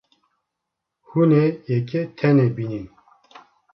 Hûn ê yekê tenê bînin.